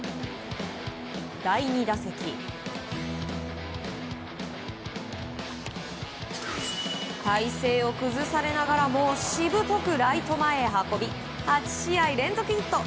第２打席、体勢を崩されながらもしぶとくライト前へ運び８試合連続ヒット。